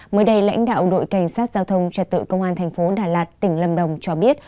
mới đây lãnh đạo đội cảnh sát giao thông trật tự công an thành phố đà lạt tỉnh lâm đồng cho biết